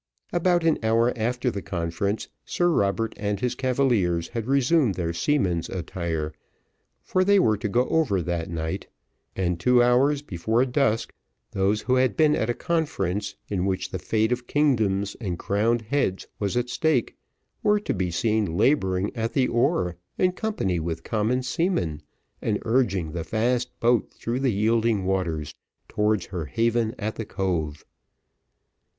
About an hour after the conference, Sir Robert and his cavaliers had resumed their seamen's attire, for they were to go over that night; and two hours before dusk, those who had been at a conference, in which the fate of kingdoms and crowned heads was at stake, were to be seen labouring at the oar, in company with common seamen, and urging the fast boat through the yielding waters, towards her haven at the cove.